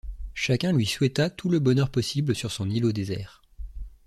Chacun lui souhaita tout le bonheur possible sur son îlot désert.